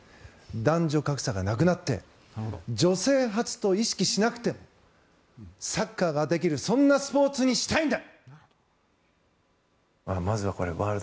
男女格差がなくなって女性初と意識しなくてサッカーができるそんなスポーツにしたいんだ。